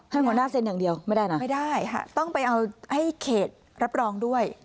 หัวหน้าเซ็นอย่างเดียวไม่ได้นะไม่ได้ค่ะต้องไปเอาให้เขตรับรองด้วย